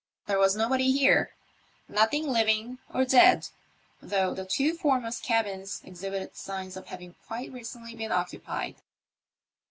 There was nobody here — nothing living or dead — though the two foremost cabins exhibited signs of having quite recently been occupied.